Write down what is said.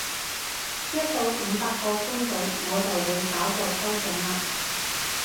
一到五百個觀眾我就會搞個抽獎喇！